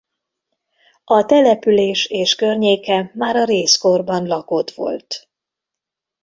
A település és környéke már a rézkorban lakott volt.